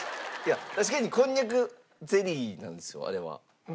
確かに蒟蒻ゼリーなんですよあれは。